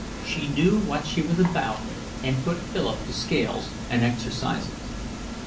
She knew what she was about and put Philip to scales and exercises.